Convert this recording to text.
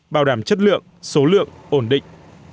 bảo đảm chất lượng số lượng ổn định